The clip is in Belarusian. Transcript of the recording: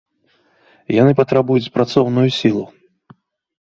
Яны патрабуюць працоўную сілу.